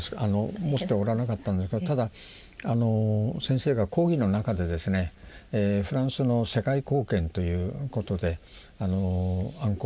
持っておらなかったんですがただ先生が講義の中でですねフランスの世界貢献ということでアンコール